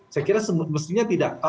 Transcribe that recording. saya kira semestinya tidak